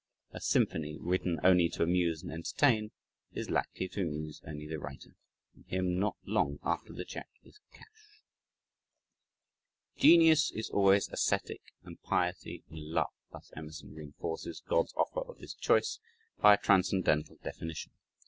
A symphony written only to amuse and entertain is likely to amuse only the writer and him not long after the check is cashed. "Genius is always ascetic and piety and love," thus Emerson reinforces "God's offer of this choice" by a transcendental definition.